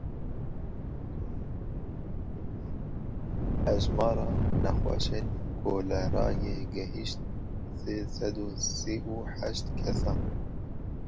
Hejmara nexweşên kolerayê gihişt sê sed û sî û heşt kesan.